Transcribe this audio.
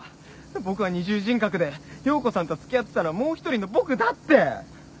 僕は二重人格で葉子さんと付き合ってたのはもう一人の僕だって。